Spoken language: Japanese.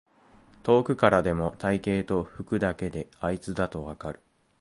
遠くからでも体型と服だけであいつだとわかる